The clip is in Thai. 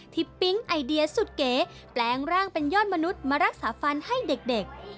ปิ๊งไอเดียสุดเก๋แปลงร่างเป็นยอดมนุษย์มารักษาฟันให้เด็ก